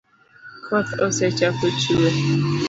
Koth osechako chue